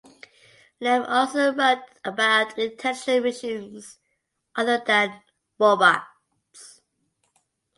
Lem also wrote about intelligent machines other than robots